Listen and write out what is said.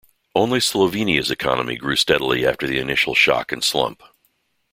Only Slovenia's economy grew steadily after the initial shock and slump.